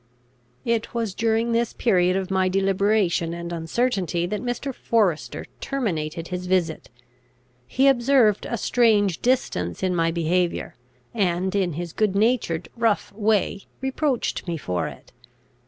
It was during this period of my deliberation and uncertainty that Mr. Forester terminated his visit. He observed a strange distance in my behaviour, and, in his good natured, rough way, reproached me for it.